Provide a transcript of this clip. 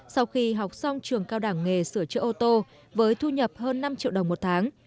sau khi học xong trường cao đẳng nghề sửa chữa ô tô với thu nhập hơn năm triệu đồng một tháng